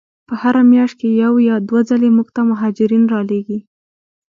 په هره میاشت کې یو یا دوه ځلې موږ ته مهاجرین را لیږي.